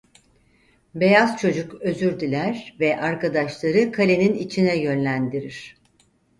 Beyaz çocuk özür diler ve arkadaşları kalenin içine yönlendirir.